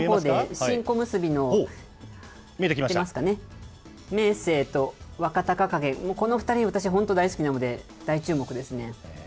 新小結の出ますかね、明生と若隆景、この２人、私、本当大好きなので、大注目ですね。